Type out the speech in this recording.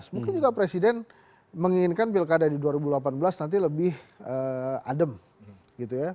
mungkin juga presiden menginginkan pilkada di dua ribu delapan belas nanti lebih adem gitu ya